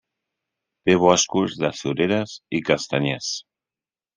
Té boscos de sureres i castanyers.